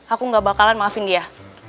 aku gak bakalan maafin dia